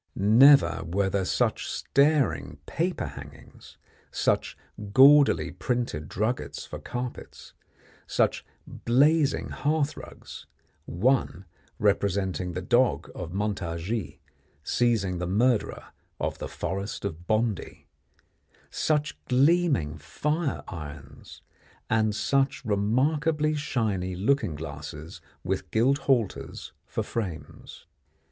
Never were there such staring paper hangings, such gaudily printed druggets for carpets, such blazing hearthrugs one representing the dog of Montargis seizing the murderer of the Forest of Bondy such gleaming fire irons, and such remarkably shiny looking glasses with gilt halters for frames.